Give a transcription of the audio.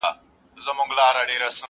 څنګه به دي یاره هېرومه نور ,